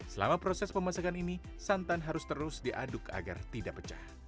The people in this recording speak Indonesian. selama proses pemasakan ini santan harus terus diaduk agar tidak pecah